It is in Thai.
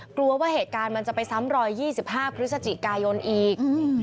กลัวว่าเหตุการณ์มันจะไปซ้ำรอย๒๕พฤศจิกายนอีก